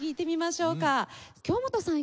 京本さん